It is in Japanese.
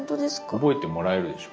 覚えてもらえるでしょ。